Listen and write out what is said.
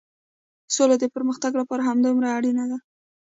سوله د پرمختګ لپاره همدومره اړينه ده.